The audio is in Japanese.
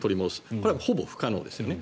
これはほぼ不可能ですね。